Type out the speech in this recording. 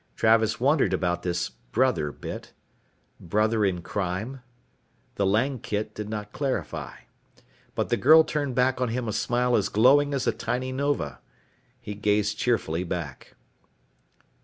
Travis wondered about this 'brother' bit. Brother in crime? The Langkit did not clarify. But the girl turned back on him a smile as glowing as a tiny nova. He gazed cheerfully back.